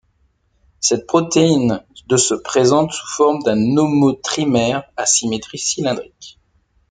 Cette protéine de se présente sous forme d'un homotrimère à symétrie cylindrique.